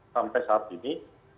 sampai saat ini